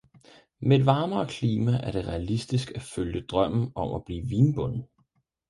Med et varmere klima er det realistisk at følge drømmen om at blive vinbonde.